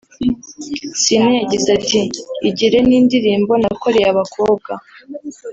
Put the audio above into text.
Ciney yagize ati “Igire ni indirimbo nakoreye abakobwa